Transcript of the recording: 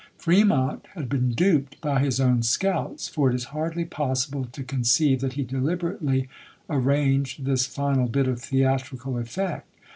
Fremont had been duped by his own scouts ; for it is hardly possible to conceive that he deliberately arranged this final bit of theatrical effect.